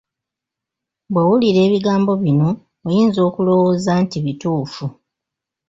Bw'owulira ebigambo bino, oyinza okulowooza nti bituufu.